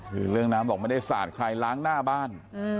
คือเรื่องน้ำบอกไม่ได้สาดใครล้างหน้าบ้าน